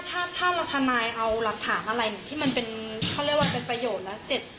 ถ้าทนายเอาหลักฐานอะไรที่มันเป็นเขาเรียกว่าเป็นประโยชน์แล้ว